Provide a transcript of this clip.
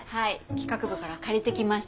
企画部から借りてきました。